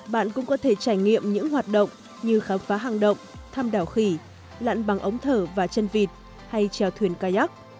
bạn cũng có thể trải nghiệm những hoạt động như khám phá hàng động thăm đảo khỉ lặn bằng ống thở và chân vịt hay trèo thuyền kayak